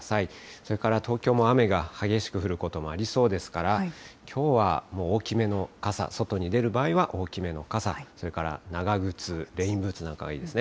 それから東京も雨が激しく降ることもありそうですから、きょうはもう大きめの傘、外に出る場合は大きめの傘、それから長靴、レインブーツなんかがいいですね。